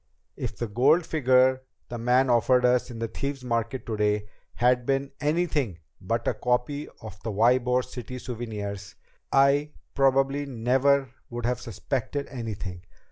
If the gold figure the man offered us in the Thieves' Market today had been anything but a copy of the Ybor City souvenirs, I probably never would have suspected anything.